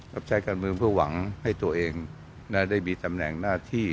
รับใช้การเมืองเพื่อหวังให้ตัวเองได้มีตำแหน่งหน้าที่